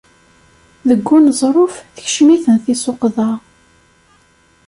Deg uneẓruf, tekcem-iten tissuqḍa.